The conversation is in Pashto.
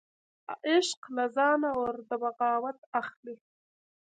عشق له ځانه اور د بغاوت اخلي